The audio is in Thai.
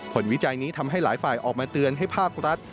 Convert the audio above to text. วิจัยนี้ทำให้หลายฝ่ายออกมาเตือนให้ภาครัฐ